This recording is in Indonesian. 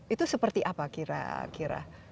itu seperti apa kira kira